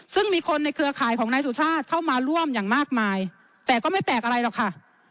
ซึ่งมีคนในเครือข่ายของนายสุชาติเข้ามาร่วมอย่างมากมายแต่ก็ไม่แปลกอะไรหรอกค่ะ